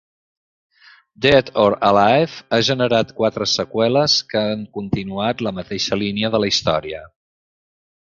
"Dead or Alive" ha generat quatre seqüeles que han continuat la mateixa línia de la història.